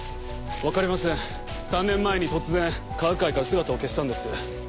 分かりません３年前に突然科学界から姿を消したんです。